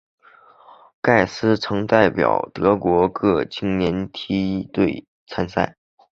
盖斯曾代表德国各青年梯队参战。